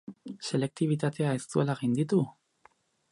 Selektibitatea ez zuela gainditu?